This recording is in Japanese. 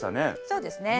そうですね。